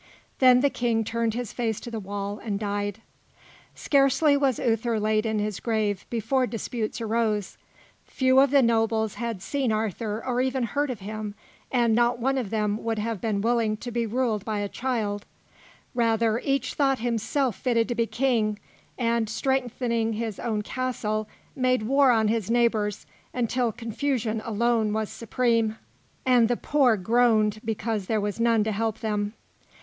Then the King turned his face to the wall and died. Scarcely was Uther laid in his grave before disputes arose. Few of the nobles had seen Arthur or even heard of him, and not one of them would have been willing to be ruled by a child; rather, each thought himself fitted to be King, and, strengthening his own castle, made war on his neighbours until confusion alone was supreme and the poor groaned because there was none to help them.